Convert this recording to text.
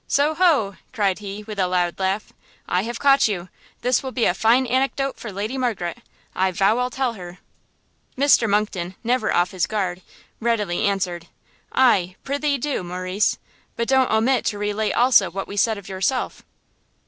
"So ho!" cried he with a loud laugh, "I have caught you! This will be a fine anecdote for Lady Margaret; I vow I'll tell her." Mr Monckton, never off his guard, readily answered "Aye, prithee do, Morrice; but don't omit to relate also what we said of yourself."